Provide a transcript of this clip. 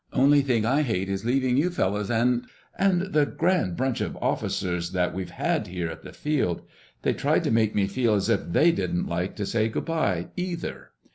Only thing I hate is leaving you fellows, and—and the grand bunch of officers that we've had here at the Field. They tried to make me feel as if they didn't like to say good by, either."